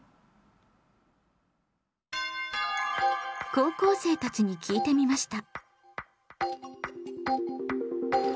高校生たちに聞いてみました。